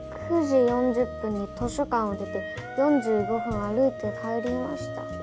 「９時４０分に図書館を出て４５分歩いて帰りました」